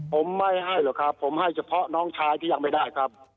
ผมไม่ให้หรอกครับผมให้เฉพาะน้องชายที่ยังไม่ได้ครับ